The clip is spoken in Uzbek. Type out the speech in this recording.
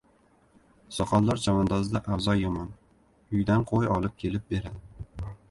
Soqoldor chavandozda avzoy yomon, uyidan qo‘y olib kelib beradi.